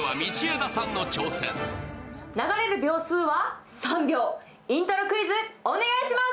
流れる秒数は３秒、イントロクイズお願いします。